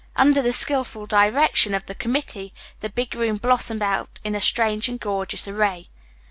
Under the skilful direction of the committee the big room blossomed out in strange and gorgeous array.